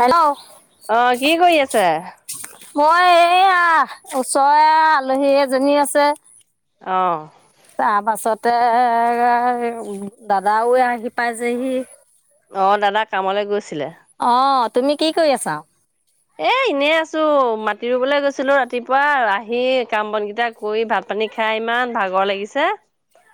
Hello? অ, কি কৰি আছে? মই এইয়া ওচৰে আলহী এজনী আছে। অ'। তাৰ পাছতে দাদাওে আহি পাই যেহি। অ, দাদা কামলৈ গৈছিলে। অ, তুমি কি কৰি আছা? এ, এনে আছো মাটি ৰুবলৈ গৈছিলো ৰাতিপুৱা আহি কাম বনকেইটাক কৰি ভাত পানী খাই ইমান ভাগৰ লাগিছে।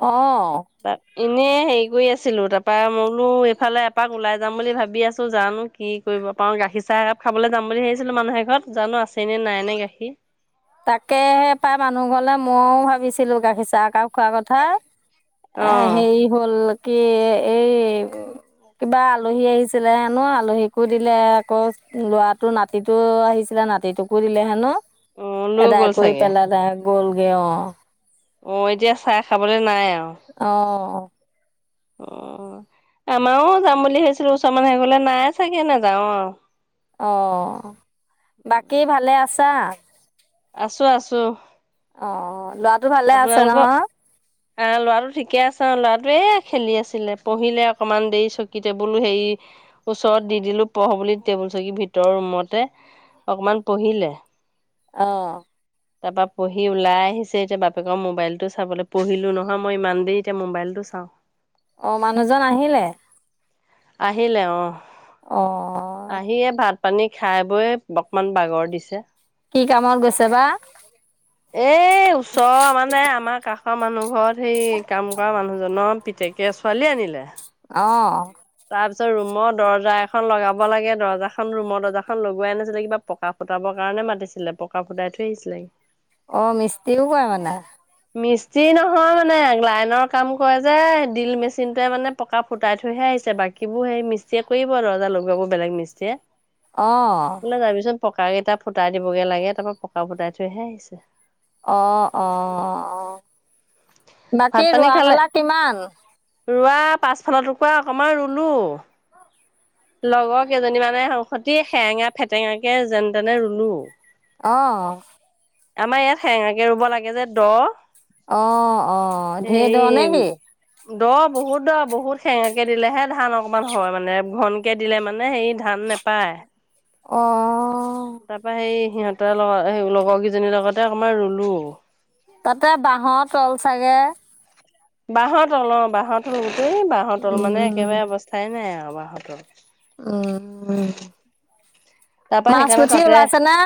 অ'। ত, এনেই হেৰি কৰি আছিলো তাৰাপা মইনো এইফালে এপাক ওলাই যাম বুলি ভাবি আছো জানো। কি কৰিব পাৰওঁ গাখীৰ চাহ একাপ খাবলৈ যাম বুলি ভাবিছিলোঁ মানুহ এ ঘৰত জানো আছেনে নাইনে গাখীৰ। তাকেহে পায় মানুহ ঘৰলে মইও ভাবিছিলো গাখীৰ চাক খোৱা কথা অ এ হেৰি হ'ল কি এই কিবা আলহী আহিছিলে হেনো আলহীকো দিলে আকৌ ল'ৰাটো ন নাতিটো আহিছিলে নাতিটোকো দিলে হেনো। অ লৈ এদায় গ'ল কৰি চাগে পেলাই তাই গ'লগে অ'। অ, এতিয়া চাহ খাবলৈ নাই আৰু। অ'। অ, আমাৰো যাম বুলি ভাবছিলো ওচৰ মান আহে গলে নাই চাগে নাযাওঁ অ'। অ, বাকী ভালে আছা। আছো, আছো। অ, ল'ৰা আপানালোক [inaudible] আহ, ল'ৰাটো ঠিকে আছে আৰু ল'ৰাটোৱে খেলি আছিলে পঢ়িলে অকণমান দেৰি চকী টেবুলো হেৰি ওচৰত দি দিলো পঢ় বুলি টেবুল চকি ভিতৰৰ ৰুমতে। অকমান পঢ়িলে। অ'। তাৰ পৰা পঢ়ি ওলাই আহিছে এতিয়া বাপ কৰ মোবাইলটো চাবলৈ, পঢ়িলোঁ নহয় মই ইমান দেৰি এতিয়া মোবাইলটো চাওঁ। অ' মানুহজন আহিলে? আহিলে অ'। অ'। আহিয়েই ভাত পানী খাই বৈ অকমান বাগৰ দিছে। কি কামত গৈছে বা? এ ওচৰৰ মানে আমাৰ কাষৰ মানুহ ঘৰত সেই কাম কৰা মানুহজনৰ পিতেকে ছোৱালী আনিলে। অ'। তাৰপিছত ৰুমৰ দৰ্জা এখন লগাব লাগে, দৰ্জাখন ৰুমৰ দৰ্জাখন লগোৱাই নাছিলে কিবা পকা ফুটাবৰ কাৰণে মাতিছিলে পকা ফুটাই থৈ আহিছিলে। অঁ মিস্ত্ৰীও কৰে মানে? মিস্ত্ৰী নহয় মানে লাইনৰ কাম কৰে যে ড্ৰিল মেচিনটোৱে মানে পকা ফুটাই থৈহে আহিছে। বাকীবোৰ সেই মিস্তীয়ে কৰিব, ৰ্দজা লগোৱাবোৰ বেলেগ মিস্তীয়ে। অঁ। বোলে যাবিচোন পকা কেইটা ফুটাই দিবগে লাগে, তাৰ পৰা পকা ফুটাই থৈহে আহিছে। অ' অ' অ' ভাত বাকী পানী ৰোৱা খালে মেলা কিমান? ৰোৱা পাচফালৰ টুকুৰা অকমান ৰুলো। লগৰ কেইজনী মানে সতি সেৰেঙা ফেটেঙাকে যেন তেনে ৰুলো। অঁ। আমাৰ ইয়াত সেঙাকে ৰুব লাগে যে দ'। অ' অ' ঢেৰ দ' নে হেৰি কি? দ' বহুত দ' বহুত সেঙেকে দিলেহে ধান অকমান হয় মানে, ঘন কে দিলে মানে হেৰি ধান নোপায়। অ'। তাৰ পৰা সেই সিহঁতৰ লগ লগৰ কেইজনীৰ লগতে অকমান ৰুলো। তাতে বাঁহৰ তল চাগে? বাঁহৰ তল অ বাহঁৰ তল গোটেই বাঁহৰ তল উম মানে একেবাৰে অৱস্থাই নাই আৰু বাঁহৰ তল। উম তাৰপা মাছ সেইকাৰণে পুঠি তাতে ওলাইছেনে?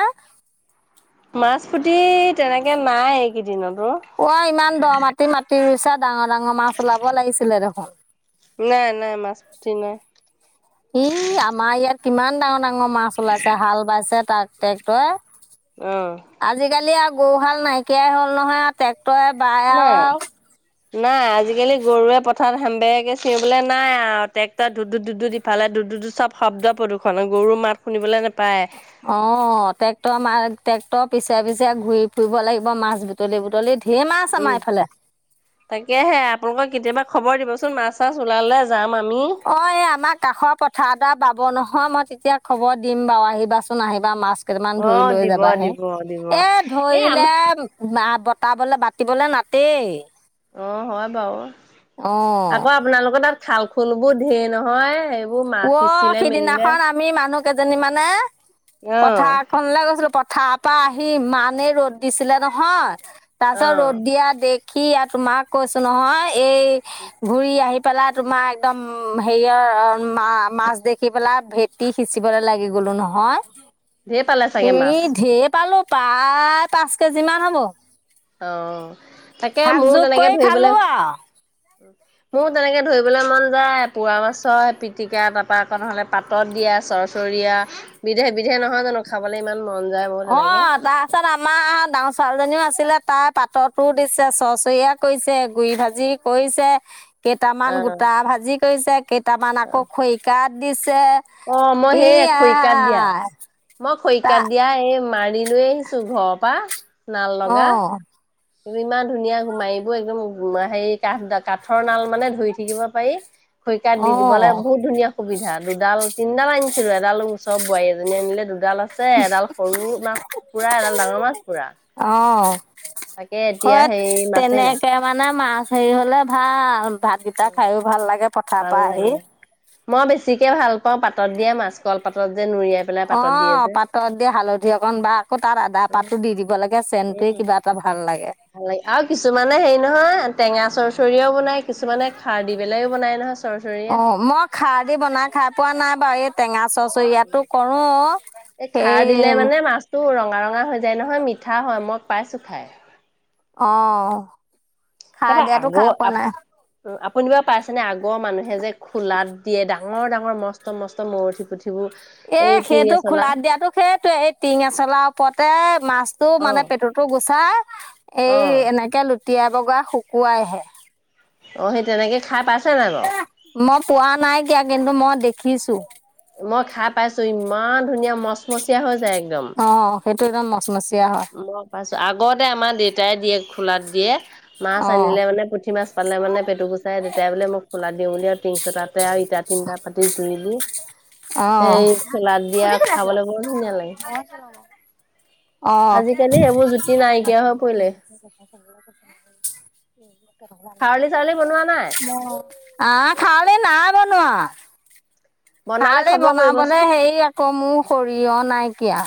মাছ পুতি তেনেকে নাই এইকেইদিনত অ'। অ' আই ইমান দ' মাটি মাটি ৰুইছা ডাঙৰ ডাঙৰ মাছ ওলাব লাগিছিলে দেখোন। নাই নাই মাছ পুতি নাই। ই আমাৰ ইয়াত কিমান ডাঙৰ ডাঙৰ মাছ ওলাইছে হাঁল বাইছে তাত ট্ৰেক্টৰে। অ'। আজিকালি আৰু গৰুহাল নাইকিয়াই হ'ল নহয় আৰু ট্ৰেক্টৰে বায় নাই। আৰু। নাই আজিকালি গৰুৱে পথাৰ হেম বেকে চিঞবলৈ নাই আৰু ট্ৰেক্টৰ ধু ধু দি ফালে দু দু চব শব্দ প্ৰদূষণ গৰুৰ মাত শুনিবলৈ নোপায়। অ' ট্ৰেক্টৰ মা ট্ৰেক্টৰ পিছে পিছে ঘূৰি ফুৰিব লাগিব মাছ বুটলি বুটলিত ঢেৰ মাছ উম আমাৰ এইফালে। তাকেহে আপোনালোকে কেতিয়াবা খবৰ দিবচোন মাছ চাছ ওলালে যাম আমি। অঁ এই আমাৰ কাষৰ পথাৰ এদৰা বাব নহয় মই তেতিয়া খবৰ দিম বাৰু আহিবাচোন আহিবা মাছ কেইটামান অ ধৰি লৈ দিব যাবাহে। দিব দিব এ এ ধৰিলে আমাৰ বা বতাবলে বতিবলে নাতেই। অ' হয় বাৰু। আকৌ অ'। আপোনালোকৰ তাত খাল খুল বোৰ ঢেৰ নহয় এইবোৰ মাছ অ', সিঁচিলে মেলিলে সিদিনাখন আমি মানুহ কেইজনী মানে অ পথাৰ ফলৈ গৈছিলো পথাৰ পৰা আহি ইমানেই ৰ'দ দিছিলে নহয়। অ তাৰপিছত ৰ'দ দিয়া দেখি আৰু তোমাক কৈছো নহয় এই ঘুৰি আহি পেলাই তোমাৰ একদম হেৰিয়ৰ মা মাছ দেখি পেলা ভেটি সিঁচিবলৈ লাগি গলো নহয়। ঢেৰ পালে চাগে মাছ এই ঢেৰ পালো প্ৰায় পাঁচ কেজি মান হ'ব। অ', তাকে ভাগ মোৰ যোগ তেনেকে কৰি ধৰিবলে খালো আৰু মোৰ তেনেকে ধৰিবলৈ মন যায় পোৰা মাছ হয় পিটিকা তাৰপা আকৌনহলে পাত পাতত দিয়া চৰ্চৰি দিয়া বিধে বিধে নহয় জানো খাবলৈ ইমান মন যায় মোৰ তেনেকৈ। তাৰপিছত আমাৰ ডাঙৰ ছোৱালীজনীও আছিলে তাৰ পাটটো দিছে চৰ্চৰিয়া কৰিছে। গুৰি ভাজি কৰিছে কেইটামান অ গোটা ভাজি কৰিছে কেইটামান অ আকৌ খৰি কাট দিছে। অ', মই ই সেই খৰিকাত দিয়া। আই মই তা খৰিকাত দিয়া এই মাৰি লৈ আহিছো ঘৰৰ পৰা নাল অ লগা। ইমান ধুনীয়া মাৰিব একদম হে কাঠ দাক কাঠৰ নাল মানে ধুই থাকিব পাৰি খৰিকাত অ দি দিবলৈ বহুত ধুনীয়া সুবিধা দুডাল তিনিডাল আনিছিলো এডাল ওচৰৰ বোৱাৰী এজনী আনিলে দুডাল আছে এডাল সৰু মাছ পুৰা এডাল ডাঙৰ মাছ পুৰা। অ', তাকে এতিয়া হয় হেৰি মাছেই নাই তেনেকে মানে মাছ হেৰি হলে ভাল ভাতকেইটা খাইও ভাল লাগে। পথাৰ ভাল পৰা আহি লাগে মই বেছিকে ভাল পাওঁ পাতত দিয়া মাছ কল পাতত যে নুৰিয়াই পেলাই পাতত দিয়ে অ', যে। পাতত দি হালধি অকন বা আকৌ তাত আদা পাতো দি দিব লাগে চেন তটেই উম, কিবা এটা ভাল লাগে। ভাল লাগে আৰু কিছুমানে হেৰি নহয় টেঙা চৰচৰিয়াও বনাই কিছুমানে খাৰ দি পেলাইও বনাই নহয়। চৰচৰীয়া। অ', মই খাৰ দি বনাই খাই পোৱা নাই বাৰু এই টেঙা চচ ইয়াতো কৰো সেই তো ৰঙা ৰঙা হৈ যায় নহয় মিঠা হয় মই পাইছোঁ খাই। অ', খাৰ তাৰপা দিয়াটো আগৰ খাই পোৱা নাই। আপুনি বাৰু পাইছেনে আগৰ মানুহে যে খোলাত দিয়ে ডাঙৰ ডাঙৰ মস্ত মস্ত মৰঠি পুথিবোৰ। এ সেইটো খোলাত দিয়াতো সেইটোোৱে এই টিঙ আচলাৰ ওপৰতে মাছ টো অ', মানে পেটোতো গুচাই অ', এই এনেকে লুটিয়াই বগৰা শুকুৱাইহে। অঁ', সেই তেনেকৈ খাই পাইছে নে নাই বাৰু। মই পোৱা নাই কিয় কিন্তু মই দেখিছো। মই খাই পাইছোঁ ইমান ধুনীয়া মচমচীয়া হৈ যায় একদম। অঁ', সেইটো একদম মচমচীয়া হয়। মই পাইছো আগতে আমাৰ দেউতাই দিয়ে খোলাত দিয়ে। মাছ অ' আনিলে মানে পুঠি মাছ পালে মান পেটু গুচাই দেউতাই বোলে মোক খোলা দিওঁ বুলি আৰু তিংচোটাতে আৰু ইটা তিনিটাত পাতি জুই দি অ' সেই খোলাদ দিয়া খাবলৈ বৰ ধুনীয়া লাগে। [unintelligible] অ' আজিকালি সেইবোৰ জুতি নাইকিয়া হৈ পৰিলে। [unintelligible] [unintelligible] খাৰলি চাৰলি বনোৱা নাই? [unintelligible] আহ খালালি নাই বনোৱা। বনালে খৰালি খবৰ বনাবলে কৰিবচোন। সেই আকৌ মোৰ সৰিয়হ নাইকিয়া।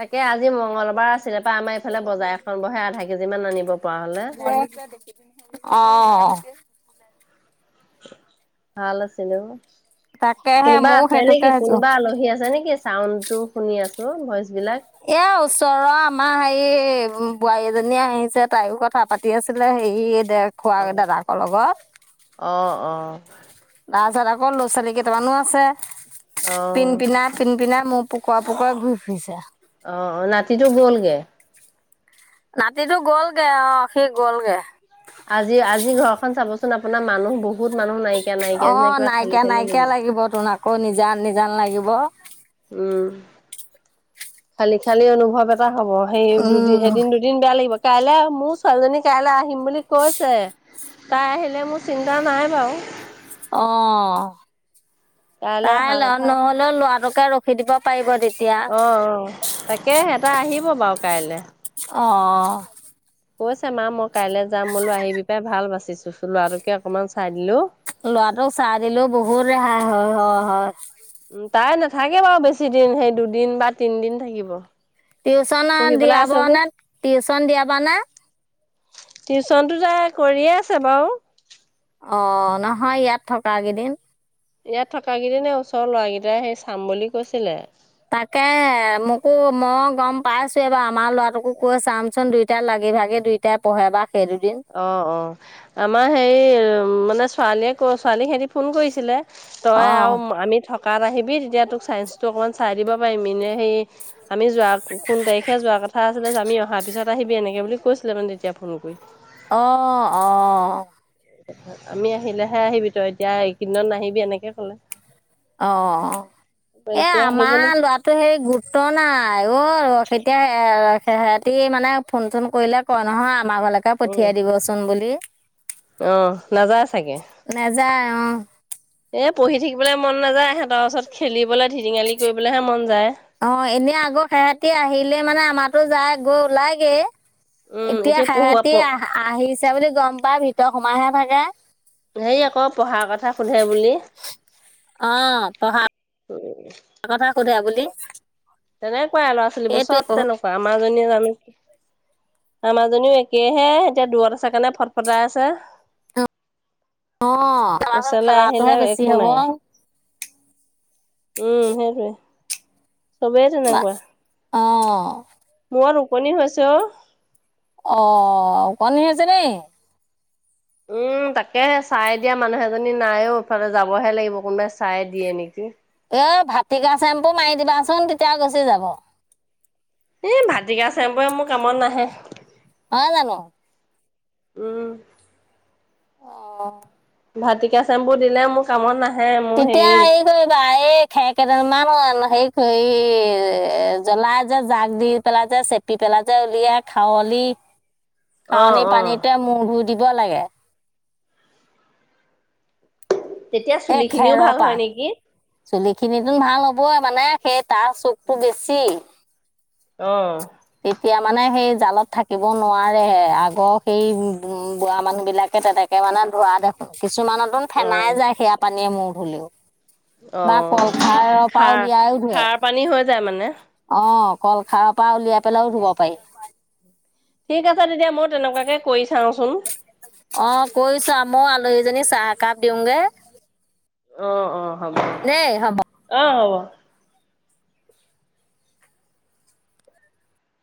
তাকে আজি মঙগলবাৰ আছিলে পাই আমাৰ এইফালে বজাৰ এখন বহে আধা কেজি মান আনিব পৰা হ'লে। অ' ভাল আছিলে অ'। তাকেহে কোনোবা ময়ো আছে সেইটোকে নেকি ভাবিছো। কোনোবা আলহী আছে নেকি চাউণ্ডটো শুনি আছো ভইচ বিলাক? এ ওচৰৰ আমাৰ হেৰি বোৱাৰী এজনী আহিছে তাইো কথা পা পাতি আছিলে হেৰি দে খোৱা অ দাদাকৰ লগত। অ', অ'। তাৰছত, আকৌ ল'ৰা ছোৱালী কেইটামানো আছে অ পিন্ পিনাত পিন্ পিনে মোৰ পুকুৰা পুকুৰাৰে ঘূৰি ফুৰিছে অ', নাতিটো গ'লগে নাতিটো গ'লগে, অ', সি গ'লগে আজি আজি ঘৰখন চাবচোন, আপোনাৰ মানুহ বহুত মানুহ নাইকিয়া নাইকিয়া নিচিনা অ', কিবা খালি নাইকিয়া খালি নাইকিয়া লাগিৱ লাগিব তোনা ক আকৌ নিজান নিজান লাগিব উম, খালি খালি অনুভৱ এটা হব সেই দুদিন উম, এদিন দুদ দিন বেয়া লাগিব কাইলৈ মোৰ ছোৱালীজনী কাইলৈ আহিম বুলি কৈছে তাই আহিলে, মোৰ চিন্তা নাই বাৰু অ', কাইলৈ তাই অহা কথা আছে। নহ'লেও লৰাটোকে ৰখি দিব পাৰিব তেতিয়া অ, অ', তাকে অ', কৈছে মা মই কাইলে যাম বোলো আহিবি পাই ভাল বাচিছো, লৰাটোকে অকমান চাই দিলো লৰাটোক চাই দিলেও বহুত ৰেহাই হয় হয় হয় উ তাই নাথাকে বাৰু, বেছি দিন সেই দুদিন বা তিনদিন থাকিব টিউচন পঢ়ি পেলাই দিয়াব আছে যে নে, টিউচন দিয়াব নে টিউশ্যনটো ত কৰিয়ে আছে বাৰু অ', নহয় ইয়াত থকা কেইদিন ইয়াত থকাকেইদিনে ওচৰৰ ল'ৰাকেইটাই সেই চাম বুলি কৈছিলে তাকে মোকো মই গম পাইছোবাৰ, আমাৰ লৰাটোকো কৈ চামচোন দুইটা লাগি ভাগি দুই তে পঢ়ে বা সেই দুদিন অ', অ', আমাৰ হেৰি মানে ছোৱালীয়ে ক ছোৱালীক সেদিন ফোন কৰিছিলে তই অঁ আৰু আমি থকাত আহিবি, তেতিয়া তোক চাইন্সটো অকমান চাই দিব পাৰিম এনে সেই আমি যোৱা কোন তাৰিখে যোৱাৰ কথা আছিলে, আমি অহাৰ পিছত আহিবি এনেকৈ বুলি কৈছিলে মানে, তেতিয়া ফোন কৰি অ ', অ', অ', আমি আহিলেহে আহিবি, তই এতিয়া এইকিদনত নাহিবি এনেকে কলে অ ', অ', এ এতিয়া আমাৰ আহিবনে লৰা তো সেই গুৰুত্ব নাই অ', সেতিয়া সেহেতি মানে ফোন চোন কৰিলে ক নহয়, আমাৰ ঘৰলৈকে উম পঠিয়াই দিবচোন বুলি অ', নাযায় চাগে নেযায় অ এ পঢ়ি থাকিবলৈ মন নাযায়, সিহঁতৰ ওচৰত খেলিবলৈ ধিটিঙালি কৰিবলৈহে মন যায় অ', এনে আগৰ সেহতি আহিলে মানে, আমাৰো যায় গৈ ওলাইগে উম এতিয়া পঢ়োৱা সেহতি প আহ আহিছে বুলি গম পাই ভিতৰত সোমাইহে ভাগে হেৰি আকৌ, পঢ়াৰ কথা সোধে বুলি অ', পঢ়া উম কথা সোধে বুলি তেনেকুৱাই ল'ৰা ছোৱালীবোৰ, সেইটোৱে চব পঢ়ো তেনেকুৱা, আমাৰজনীয়ে জানে আমাৰাজনীও একেহে, এতিয়া দূুৱৰত আছে কাৰণে ফট ফটাই আছে অ', খেলাখন ওচৰলৈ আহিলে খেলাটোহে বেছি একো হব নাই উম, সেইটোৱে চবেই তেনেকুৱা অ' মুৰত ওকনি হৈছো অ', অ', কনি হৈছে ন উম, তাকে চাই দিয়া মানুহ এজনী নাইও, ইফালে যাবহে লাগিব কোনোবাই চাই দিয়ে নেকি এ ভাটিকা চেম্পু মাৰি দিবাচোন তেতিয়া গুচি যাব এই ভাটিকা চেম্পুয়ে মোৰ কামত নাহে অ', জানো উম। অ', ভাটিকা চেম্পু দিলে মোৰ কামত নাহে মোৰ হেৰি কি কৰিবা এই খে কেইদমানা হে এ জলাই যে জাক দি পেলা যায় চেপি পেলাই যায় উলিয়াই খাওঁলি অ খাৱনি অ পানীটোৱে মূৰ ধুই দিব লাগে তেতিয়া চুলিখিনিও ভাল হয় নেকি চুলি খিনিতোন ভাল হ'বই মানে সেই তাৰ চুখটো বেছি অ তেতিয়া মানে সেই জালত থাকিব নোৱাৰেহে আগৰ সেই উ বুঢ়া মানুহ বিলাকে তেনে তে মানে ধোৱা দেখোন কিছুমানতো অ ফেনাই যায় সেয়া পানীয়ে মূৰ ধলও অ বা কলখাৰৰ পৰা খাৰ উলিয়াইও ধুৱে খাৰ পানী হৈ যায় মানে অ কল খাৰৰ পৰা উলিয়াই পেলাইও ধুব পাৰি ঠিক আছে তেতিয়া মই তেনেকুৱাকে কৰি চাওঁচোন অ কৰিৈছো ময় আলহীজনী চাহ একাপ দিওঁগে অ অ হ'ব নেই হ'ব অ হ'ব